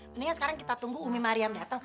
mendingan sekarang kita tunggu umi maria yang dateng